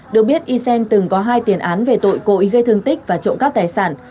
được biết ysen từng có hai tiền án về tội cội gây thương tích và trộm cắp tài sản